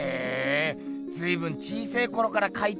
ずいぶん小せぇころからかいてんだな。